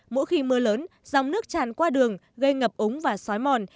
mỗi khi mưa lớn dòng nước tràn qua đường gây ngập úng và xói mòn